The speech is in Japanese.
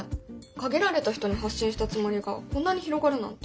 限られた人に発信したつもりがこんなに広がるなんて。